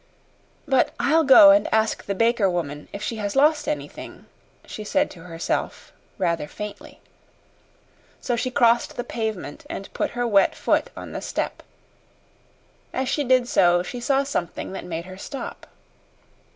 "But I'll go and ask the baker woman if she has lost anything," she said to herself, rather faintly. So she crossed the pavement and put her wet foot on the step. As she did so she saw something that made her stop.